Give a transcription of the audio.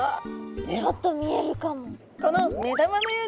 ちょっと見えるかも。